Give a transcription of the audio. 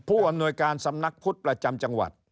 อำนวยการสำนักพุทธประจำจังหวัด